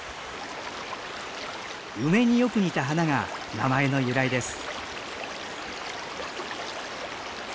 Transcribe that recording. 梅によく似た花が名前の由来です。